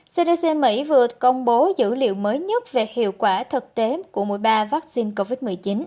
cdc mỹ vừa công bố dữ liệu mới nhất về hiệu quả thực tế của mỗi ba vaccine covid một mươi chín